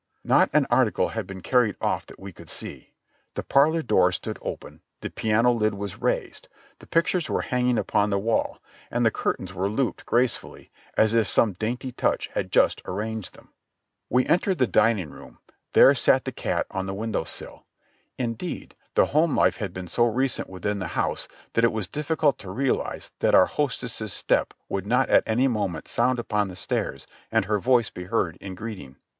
Not an article had been carried off that we could see ; the parlor door stood open, the piano lid was raised, the pictures were hanging upon the wall, and the curtains were looped gracefully, as if some dainty touch had just arranged them. We entered the 282 JOHNNY REB AND BILLY YANK dining room ; there sat the cat on the window sill ; indeed, the home life had been so recent within the house that it was diffi cult to realize that our hostess's step would not at any moment sound upon the stairs and her voice be heard in greeting.